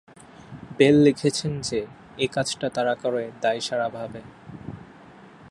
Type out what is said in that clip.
Bell লিখেছেন যে এ কাজটা তারা করে দায়সারাভাবে।